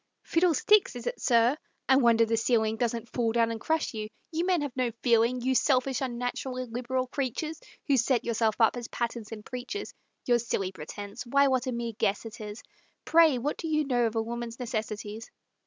"Fiddlesticks, is it, sir? I wonder the ceiling Doesn't fall down and crush you you men have no feeling; You selfish, unnatural, illiberal creatures, Who set yourselves up as patterns and preachers, Your silly pretense why, what a mere guess it is! Pray, what do you know of a woman's necessities?